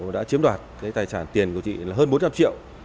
đã chiếm đoạt tài sản tiền của chị là hơn bốn trăm linh triệu